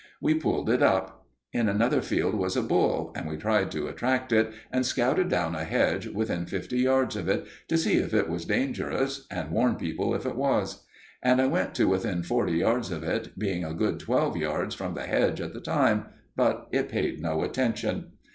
We pulled it up. In another field was a bull, and we tried to attract it, and scouted down a hedge within fifty yards of it, to see if it was dangerous, and warn people if it was; and I went to within forty yards of it, being a good twelve yards from the hedge at the time, but it paid no attention.